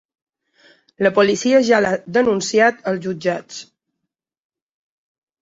La policia ja l’ha denunciat als jutjats.